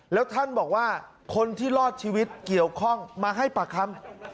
แล้วท่านบอกว่าคนที่รอดชีวิตเกี่ยวข้องมาให้ปากคำ